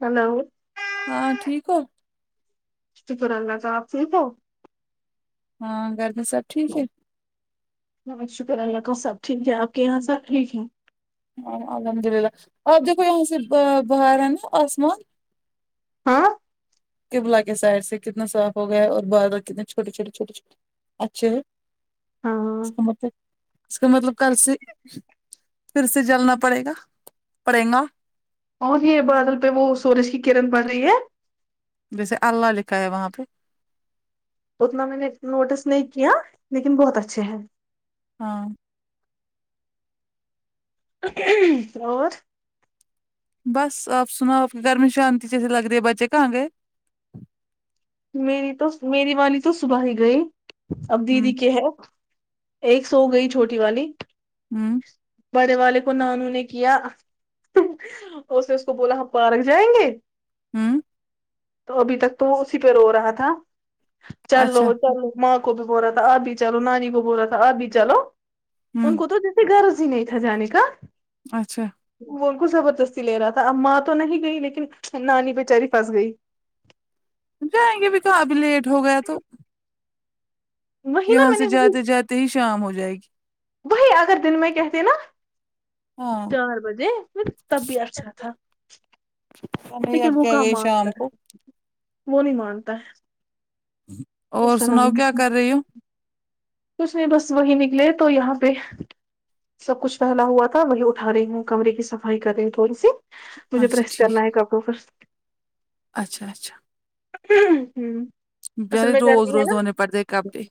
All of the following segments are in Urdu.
ہلو ہاں ٹھیک ہو شکر اللہ کا آپ ٹھیک ہو ہاں گھر میں سب ٹھیک ہے بس شکر اللہ کا سب ٹھیک ہے آپ کے یہاں سب ٹھیک ہیں ہاں الحمد للہ آپ دیکھو یہاں سے ب باہر ہے نا آسمان ہاں کملا کے سائڈ سے کتنا صاف ہو گیا ہے اور بازل کتنے چھوٹے چھوٹے چھوٹے چھوے اچھے ہیں ہاں [unintelligible] اس کا مطلب کل سے پھر سے جلنا پڑے گا پڑے گا اور یہ بادل پہ وہ سورج کی کرن پڑ رہی ہے ویسے اللہ لکھا ہے وہاں پہ اتنا میں نے نوٹس نہیں کیا لیکن بہت اچھے ہیں ہاں اور بس آپ سناؤ آپ کے گھر میں شانتی جیسے لگ رہی ہے بچے کہاں گئے میری تو میری والی تو صبح ہی گئی اب دیدی ہوں کے ہے ایک سو گئی چھوٹی والی ہوں بڑے والے کو نانو نے کیا اس نے اس کو بولا ہم پارک جائیں گے ہوں تو ابھی تک تو اسی پہ رو رہا تھا چلو اچھا چلو ماں کو بھی بول رہا تھا آپ بھی چلو نانی کو بول رہا تھا آپ بھی چالو ہوں ان کو تو ہن غرض ہی نہیں تھا جانے کا اچھا بولک زبردستی لے رہا تھا اب ماں تو نہیں گئی لیکن نانی بچاری پھنس گئی جائیں گے بھی تو ابھی لیٹ ہو گیا تو وہی نا یہاں میں سے نے وہی جاتے جاتے ہی شام ہو جائے گی وہی اگر دن میں کہتے نا ہاں چار بجے تب بھی اچھا تھا [unintelligible] لیکن وہ کہاں گئی شام مانتا ہے کو وہ نہیں مانتا ہے اور اس کا نام سناؤ کیا کر رہی ہو کچھ نہیں بس وہی نکلے تو یہاں پہ سب کچھ پہلا ہوا تھا وہ ہی اٹھا رہی ہوں کمرے کی صفائی کر رہی ہوں تھوڑی سی مجھے اچھا پریس ٹھیک کرنا ہے کپڑوں پر اچھا اچھا ہوں بیار روز روز دھونے پڑھتے کپڑے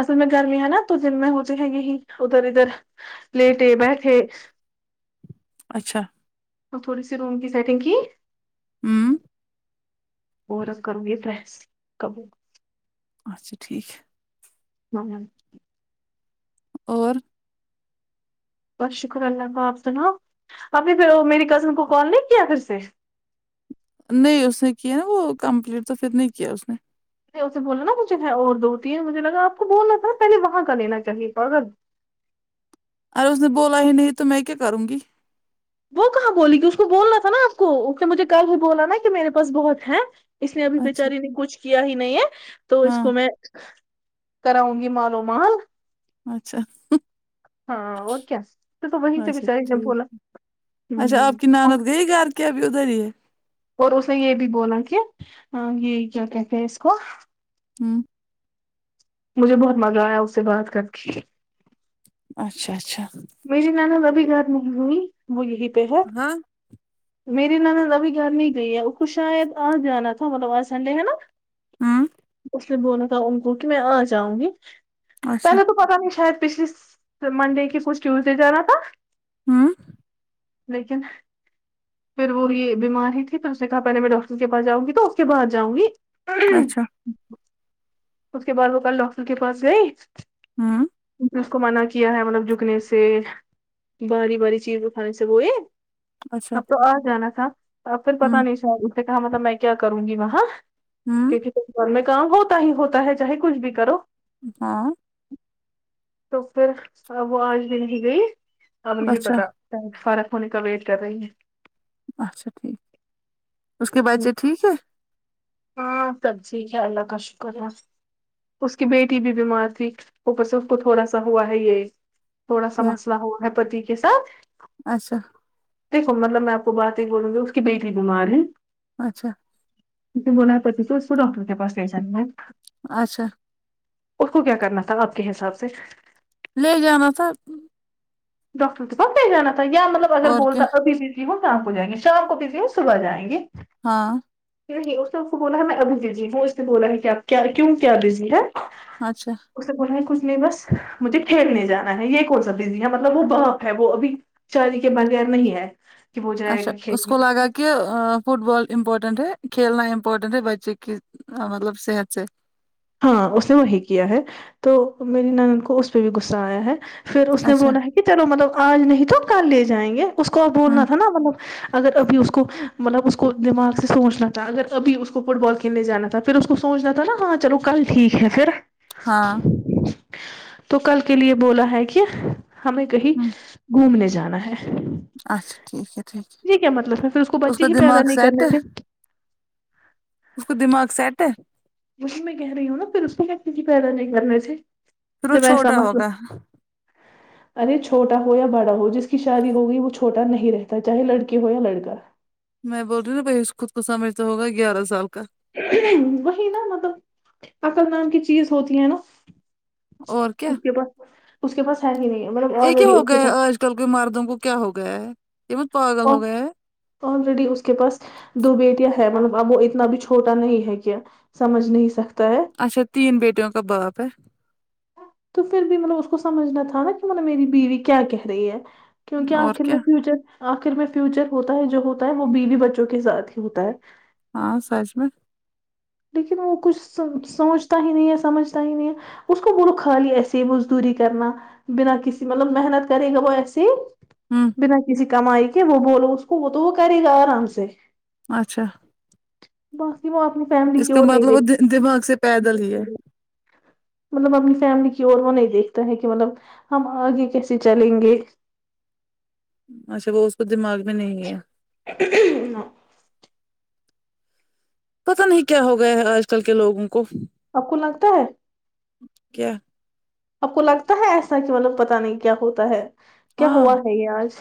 اصل میں گرمی ہے نا تو دن میں ہو جو ہے یہی ادھر ادھر لیٹے بیٹھے اچھا اور تھوڑی سی روم کی سیٹنگ کی ہوں اور کروں گ یہ تو کبو اچھا ٹھیک ہے ہاں [unintelligible] اور بس شکر اللہ کا آپ سناؤ ابھی پھر میری کزن کو کال نہیں کیا پھر سے نہیں اس نے کیا نا وہ کمپلیٹ تو پھر نہیں کیا اس نے اسے بولو نا کچھ ہے اور دو تین مجھے لگا آپ کو بولنا تھا پہلے وہاں کا لینا چاہے اگر ارے اس نے بولا ہی نہیں تو میں کیا کروں گی وہ کہاں بولی گی اس کو بولنا تھا نا آپ کو اس نے مجھے کل ہی بولا نا کہ میرے پاس بہت ہے اس نے ابھی اچھا بچاری نے کچھ کیا ہی نہیں ہے تو اس ہاں کو میں کراؤں گی مالو مال اچھا ہاں اور کیا تو تو وہیں سے اچھا بیچاری نے ٹھیک بولا ہے ہوں اچا آپ ہوں. کی اور نانت گی گھر کہ ابھی ادھر اور اس نے یہ بھی بولا کہ یہ کیا کہتے ہیں اس کو ہوں مجھے بہت مزہ آیا اس سے بات کر کے اچھا اچھا میری نند ابھی گھر نہیں ہوئی وہ یہیں پہ ہے ہاں میری نند ابھی گھر نہیں گئی ہے اس کو شاید آج جانا تھا مطلب آج سنڈے ہے نا ہوں میں نے بولنا تھا ان کو کہ میں آ جاؤں گی اچھا پہلے تو پتا نہیں شاید پچھلی منڈے کے کچھ ٹیوزڈے جانا تھا ہوں لیکن پھر وہ یہ بیمار ہی تھی پھر اس نے کہا پہلے میں ڈاکٹر کے پاس جاؤں گی تو اس کے بعد جاؤں گی اچھا اس کے بعد وہ کل ڈاکٹر کے پاس گئی ہوں اس کو منع کیا ہے مطلب جھکنے سے باری باری چیز ا ٹھانے سے وہ یہ اچھا اب تو آ جانا تھا اب پھر ہوں پتا نہیں شاید اس نے کہا مطلب میں کیا کروں گی وہاں ہوں گھر میں کام ہوتا ہی ہوتا ہے چاہے کچھ بھی کرو ہاں تو پھر اب وہ آج بھی نہیں گئی اب مجھے اچھا پتا فرق ہونے کا ویٹ کر رہی ہے اچھا ٹھیک اس کے بچے ٹھیک ہے ہاں سب ٹھیک ہے الله کا شکر کا اس کی بیٹی بھی بیمار تھی اوپر سے اس کو تھوڑا سا ہوا ہے یہ تھوڑا سا کیا مسئلہ ہوا ہے پتی کے ساتھ اچھا دیکھو مطلب میں آپ کو بات ہی بولوں گی اس کی بیٹی بیمار ہے اچھا اس نے بولا پتی کو اس کو ڈاکٹر کے پاس لے جاؤ اچھا اس کو کیا کرنا تھا آپ کے حساب سے لے جانا تھا ڈاکٹر کے پاس لے جانا تھا یا مطلب اگر اور کیا بولتا ابھی بھی وہ شام کو جائیں گے شام کو کہتی صبح جائیں گے ہاں نہیں اس نے کو بولا میں ابھی بزی ہوں اس نے بولا ہے کہ کیوں کیا بزی ہے اچھا اس سے بولا ہے کچھ نہیں بس مجھے کھیلنےجانا ہے یہ کون سا بزی ہے مطلب وہ باپ ہے وہ ابھی چاری کے بغیر نہیں ہے کہ وہ جائے اچھا گا اس کو کھیلنے لگا کہ ا فٹ بال امپورٹنٹ ہے کھیلنا امپورٹنٹ ہے بچے کی مطلب صحت سے ہاں اس نے وہی کیا ہے تو میری نند کو اس پہ بھی غصہ آیا ہے پھر اس نے اچھا بولا ہے کہ چلو مطلب آج نہیں تو کل لے جائیں گے اس کو ا بولنا ہوں تھا نا مطلب اگر ابھی اس کو مطلب اس کو دماغ سے سوچنا تھا اگر ابھی اس کو فٹ بال کھیلنے جانا تھا تو پھر اس کو سوچنا تھا نا ہاں چلو کل ٹھیک ہے پھر ہاں تو کل کے لیے بولا ہے کہ ہمیں کہیں ہوں گھومنے جانا ہے اچھا ٹھیک ہے ٹھیک ہے یہ کیا مطلب ہے پھر اس کو بچے کا ہی پیدا دماغ نہیں سیٹ کرنے ہے تھے اس کو دماغ سیٹ ہے وہی میں کہہ رہی ہوں نا پھر اس کو بچے پیدا نہیں کرنے سے پھر وہ جب ایسا چھوٹا مسئلہ ہوگا ارے چھوٹا ہو یا بڑا ہو جس کی شادی ہوگئی وہ چھوٹا نہیں رہتا چاہے لڑکی ہو یا لڑکا میں بول رہی بھائی خود کو سمجھتا ہوگا گیارہ سال کا وہی نا مطلب عقل نام کی چیز ہوتی ہے نا اور کیا اس کے پاس اس کے پاس ہے ہی نہیں مطلب یہ کیا الریڈی ہو اس گیا کے ہے پاس آج کل کے مردوں کو کیا ہو گیا ہے یہ پاگل پاس ہو گیے ہے الریڈی اس کے پاس دو بیٹیاں ہے مطلب اب وہ اتنا بھی چھوٹا نہیں ہے کیا سمجھ نہیں سکتا ہے اچھا تین بیٹیوں کا باپ ہے تو پھر بھی مطلب اس کو سمجھنا تھا نا کہ مطلب میری بیوی کیا کہہ رہی ہے کیونکہ اور آخر کیا میں فیوچر آخر میں فیوچر ہوتا ہے جو ہوتا ہے وہ بیوی بچوں کے ساتھ ہی ہوتا ہے ہاں سچ میں لیکن وہ کچھ سوچتا ہی نہیں ہے سمجھتا ہی نہیں ہے اس کو بولو خالی ایسے ہی مزدوری کرنا بنا کسی مطلب محنت کرے گا وہ ایسے ہوں بنا کسی کمائی کے وہ بولو اس کو وہ تو وہ کرے گا آرام سے اچھا باقی وہ اپنی فیملی اس کی کا اور نہیں مطلب وہ دیکھتی د- دماغ سے پیدل ہی ہے مطلب اپنی فیملی کی اور وہ نہیں دیکھتا ہے کہ مطلب ہم اگے کیسے چلے گے اچھا وہ اس کو دماغ میں نہیں ہے ہا پتا نہیں کیا ہو گیا آج کل کے لوگوں کو آپ کو لگتا ہے کیا اپ کو لگتا ہے ایسا کہ مطلب پتا نہیں کیا ہوتا ہے کیا ہاں ہوا ہے یہ اج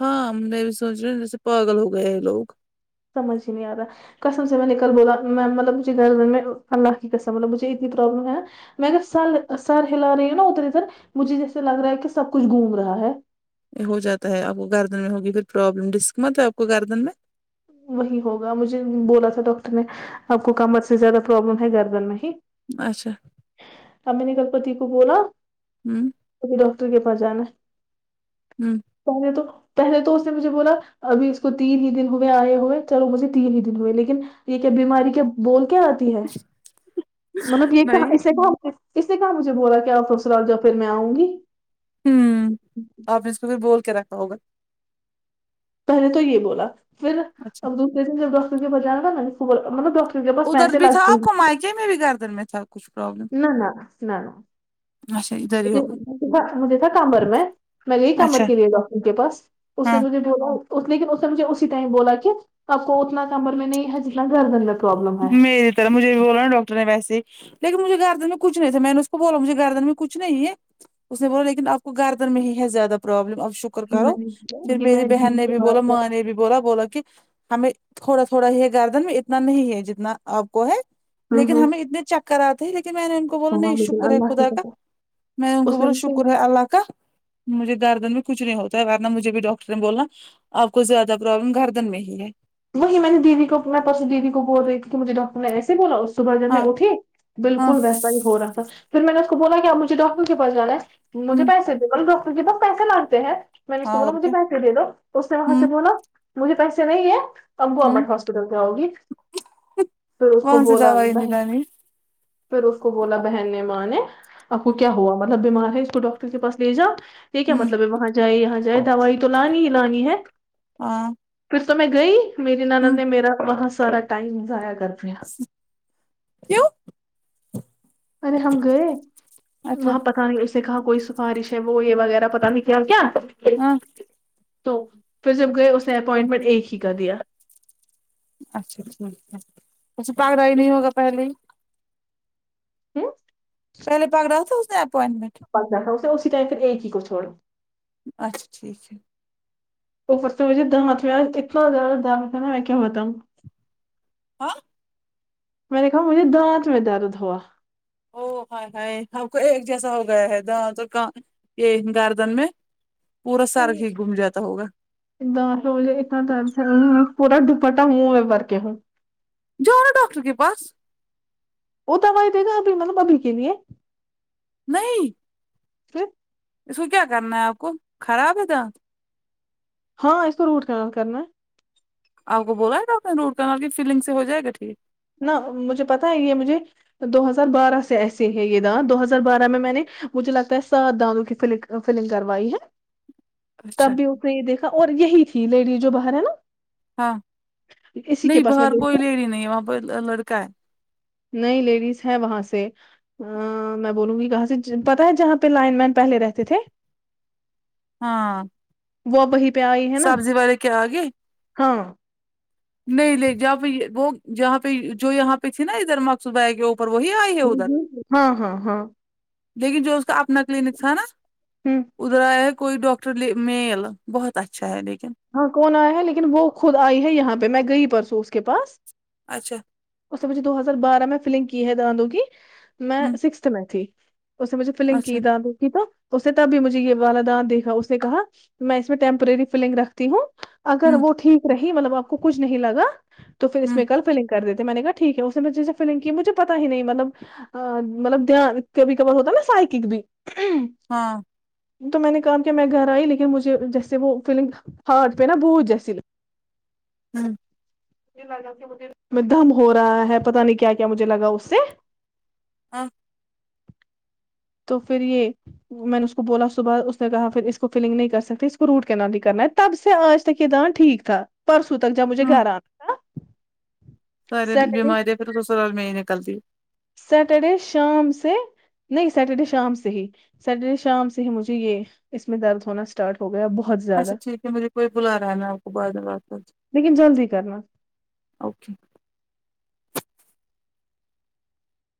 ہاں ہم نے بھی سوچ رہے جیسے پاگل ہو گئے ہیں لوگ سمجھ ہی نہیں ا رہا قسم سے میں نے کل بولا مطلب مجھے گھر میں اللہ کی قسم مطلب مجھے اتنی پرابلم ہے میں اگر سر سر ہلا رہی ہوں نا ادھر ودھر مجھے جیسے لگ رہا ہے کہ سب کچھ گھوم رہا ہے ہو جاتا ہے اپ کو گردن میں ہوگی پھر پروابلم رسک مت ہے اپ کو گارڈن میں وہی ہوگا مجھے بولا تھا ڈاکٹر نے اپ کو کمر سے زیادہ پروابلم ہے گردن میں ہی اچھا امین ایکسپتی کو بولا ہم ابھی ڈاکٹر کے پاس جانا ہے ہم پہلے تو پہلے تو اس نے مجھے بولا ابھی اس کو تین ہی دن ہو ائے ہوئے چلو مجھے تین ہی دن ہوئے لیکن یہ کیا بیماری کے بول کا اتی ہے مطلب یہ کہ نہیں اسے کہ اس سے کہ مجھے بولا کی سسرال جاؤ پھر میں اؤں گی ہوں اپ نے اس کو بھی بول کے رکھا ہوگا پہلے تو یہ بولا پھر اچھا اب دوسرے دن جب ڈاکٹر کے پس جانا مطلب ڈٹر ان کے پاس پیسے لگتے جہ میں بھی گردن میں تھا کچھ پرابلم نہ نہ نہ نہ اچھا ادھر ہی ہوگا مج مجھے تھا کمر میں میں نے یہی اچھا کمر کے لیے ڈاکٹر کے پاس اس سے ہاں مجھے بولا لیکن اس نے مجھے اسی ٹائم بولا کہ اپ کو اتنا کمر میں نہیں ہے جتنا گردن میں پروابلم ہے میری طرح مجھے بھی بولا نا ڈاکٹر نے ویسے لیکن مجھے گردن میں کچھ نہیں تھا میں نے اس کو بولا مجھے گردن میں کچھ نہیں ہے اس نے بولا لیکن آپ کو گردن میں ہی ہے زیادہ پرابلم آپ شک ر وہی کرو میں نے پھر وہی میں میری بہن دن نے کے بھی بولو بعد ماں نے بھی بولا بولا کہ ہمیں تھوڑا تھوڑا ہی گاردن میں اتنا نہیں ہے جتنا آپ کو ہے ہاں لیکن ہاں ہمیں اتنے چکر آتے لیکن میں نے ان کو بولو نہیں ہاں لیکن شکر ہے اللہ کی خدا کا قسم میں ان کو اس نے بولو مجھ سے شکر ہے اللہ کا مجھے گردن میں کچھ نہیں ہوتا ہے ورنہ مجھے بھی ڈاکٹر نے بولنا آپ کو زیادہ پروابلم گردن میں ہی ہے وہی میں نے دیدی کو اپ پرسوں دیدی کو بول رہی تھی کہ مجھے ڈاکٹر نے ایسے بولا سبح جن میں ہاں اٹھی ہاں بالکل ویسا ہی ہو رہا تھا پھر میں نے اس کو بولا کہ اپ مجھے ڈاکٹر کے پس جانا ہے مجھے ہوں پیسے دا ڈٹر کی بس پیسے لگتے ہیں میں نے اس ہاں کو بولا اور مجھے کیا پیسے دے دو تو اس نے وہاں سے ہوں بولا مجھے پیسے نہیں ہے امبو ا ہوں بٹ ہاسپٹل کے آؤگی پھر اس کو وہاں سے بولا دوائی نہیں میں لانی پھر اس کو بولا بہن نے ماں نے آپ کو کیا ہوا مطلب بیمار ہے اس کو ڈاکٹر کے پاس لے جاؤ یہ کیا ہ مطلب ہے وہاں جائے یہاں جائے دوائی تو لانی ہی لانی ہے ہاں پھر تو میں گئی میری ہ ناند نے میرا بہت سارا ٹائم ضائع کر دیا کیوں ارے ہم گئے اچھا وہاں پتہ نہیں سھا کوئی سفارش ہے وہ یہ وغیرہ پتا نہیں کیا کیا ہاں تو پھر جب گئے اس نے اپائنٹمنٹ ایک ہی کا دیا اچھا ٹھیک ہے اسھ پھگڑ ہی نہیں ہوگا پہلے ہی ہوں پہلا پکڑ رہا تھا اس نے اپوائنٹمنٹ پتا ہے اسے اسی ٹائم پھر ایک ہی کو چھوڑ اچھا ٹھیک ہے ا سے مجھے د مت اتنا زیادہ د متا میں کیا میں کیا بتاؤں ہاں میں نے کہا مجھے دانت میں درد ہوا او ہائے ہائے آپ کو ایک جیسا ہو گیا ہے دانت اور کان تو یہ گردن میں پورا سر ہی گم جاتا ہوگا دانت میں مجھے اتنا درد ہے پورا دوپٹہ منہ میں بر کےہوں جاؤ نا ڈاکٹر کے پاس وہ دوائی دے گا ابھی مطلب ابھی کے لیے نہیں پھر اس کو کیا کرنا ہے آپ کو خراب ہے دانت ہاں اس کو روٹ کنال کرنا آپ کو بولا تھا ڈاکٹر نے روٹ کنال کی فیلنگ سے ہو جائے گا ٹھیک نہ مجھے پتا ہے یہ مجھے دو ہزار بارہ سے ایسے ہیں یہ دانت دو ہزار بارہ میں میں نے مجھے لگتا ہے سات دانتوں کی فلک فلنگ کروائی ہے [inaudible] اچھا تب بھی اس نے یہ دیکھا اور یہی تھی لیڈی جو باہر ہے نا ہاں اسی کے نہیں پاس میں باہر گئی کوئی تھی، لیڈی نہیں وہاں پہ لڑکا ہے نئی لیڈیز ہے وہاں سے میں بولوں گی کہاں سے پتا ہے جہاں پہ لائن مین پہلے رہتے تھے ہاں وہ اب وہاں پہ آئی ہے نا سبزی والے کے آگے ہاں نہیں نہیں جہاں پہ وہ جہاں پہ جو یہاں پہ تھی نا ادھر مقصود بھیا ہے کہ وہ پر وہی آئی ہے ادھر ہاں ہاں ہاں لیکن جو اس کا اپنا کلینک تھا نا ہ ادھر آیا ہے کوئی ڈاک ٹرلی میل بہت اچھا ہے لیکن ہاں کون آیا ہے لیکن وہ خود آئی ہے یہاں پہ میں گئی پرسوں اس کے پاس اچھا اس س مجھے دو ہزار بارہ میں فلنگ کی ہے دانتوں کی میں ہوں سکسھ میں تھی اس س مجھ فلنگ کی اچھا دانتوں کی تو اس نے تب بھی مجھے یہ وال دانت دیکھا اس نے کہا میں اس میں ٹیمپرری فلنگ رکھتی ہوں اگر ہوں وہ ٹھیک رہی مطلب آپ کو کچھ نہیں لگا تو پھر اس ہوں میں کل فلنگ کر دیتے میں نے کہاٹھیک ہے اس نے میں جیسے فلنگ کی مجھے پتا ہی نہیں مطلب ا مطلب دھیان کبھی کبار ہوتا ہے نا سائیکک بھی ہاں تو میں نے کہا کہ میں گھر آئی لیکن مجھے جیسے وہ فیلنگ ہات پہ نا بوت آا ہوں لگا م دم ہو رہا ہے پتا نہیں کیا کیا مجھے لگا اس سے ہاں تو پھر یہ میں نے اس کو بولا صبح اس نے کہا پھر اس کو فلنگ نہیں کر سکتے اس کو روٹ کینالی کرنا ہے تب سے آج کہ تھا ہ ٹھیک تھا پرسوں تک جا مجھے ہوں گھر آنا تھا سارے سیٹرڈے بیماری ہے پھر سسرال میں نکلتی سیٹرڈے شام سے نہیں سیٹرڈے شام سے ہی سیٹرڈے شام سے ہی مجھے یہ اس میں درد ہونا اسٹاٹ ہو گیا بہت زیادہ اچھا ٹھیک ہے مجھے کوئی بلا رہا ہے میں آپ کو بعد میں بات کرتی لیکن جلدی کرنا ہو اوکے